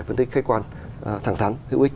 phân tích khách quan thẳng thắn hữu ích